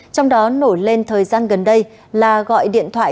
trong đó nổi lên thời gian gần đây là gọi điện thoại